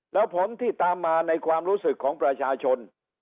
แล้วผลที่ตามมาในความรู้สึกของประชาชน